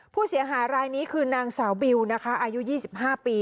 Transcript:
ผู้เสียหายรายนี้คือนางสาวบิวนะคะอายุ๒๕ปี